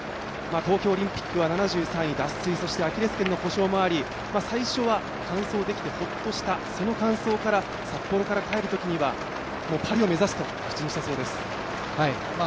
東京オリンピックは７３位、アキレス腱の故障もあり最初は完走できてほっとしたその感想から札幌から帰るときにはパリを目指すと口にしたそうです。